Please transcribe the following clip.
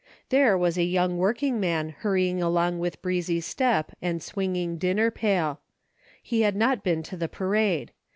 There was a young working man hurrying along with breezy step and A DAILY RATEA^ 5 swinging dinner pail. He had not been to the parade.